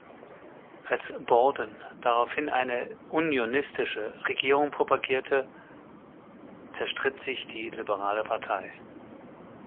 Als Borden daraufhin eine „unionistische“ Regierung propagierte, zerstritt sich die Liberale Partei.